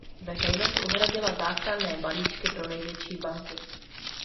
Veřejnost uhradila záchranné balíčky pro největší banky.